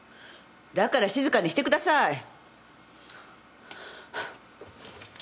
だから静かにしてください！